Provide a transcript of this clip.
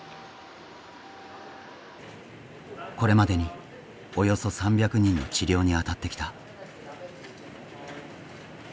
これまでにおよそ３００人の治療にあたってきた。